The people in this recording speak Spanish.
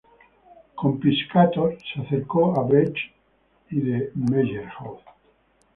Con Piscator se acercó a Brecht y de Meyerhold.